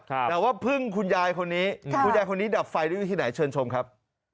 แต่ว่าพึ่งคุณยายคนนี้คุณยายคนนี้ดับไฟด้วยวิธีไหนเชิญชมครับ